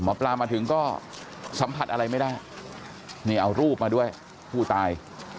หมอปลามาถึงก็สัมผัสอะไรไม่ได้นี่เอารูปมาด้วยผู้ตาย